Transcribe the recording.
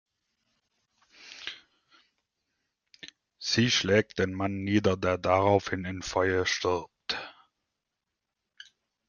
Sie schlägt den Mann nieder, der daraufhin im Feuer stirbt.